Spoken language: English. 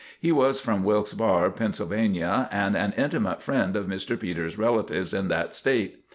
He was from Wilkes Barre, Pennsylvania, and an intimate friend of Mr. Peters' relatives in that state.